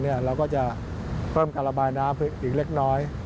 เราก็จะเพิ่มการระบายน้ำอีกเล็กน้อย